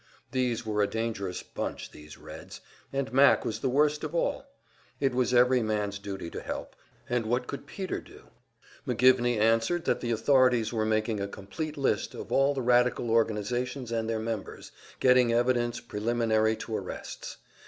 These were a dangerous bunch, these Reds, and Mac was the worst of all. It was every man's duty to help, and what could Peter do? McGivney answered that the authorities were making a complete list of all the radical organizations and their members, getting evidence preliminary to arrests.